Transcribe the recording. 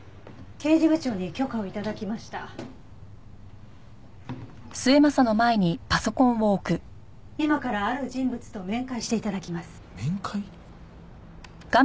「刑事部長に許可を頂きました」「今からある人物と面会して頂きます」面会？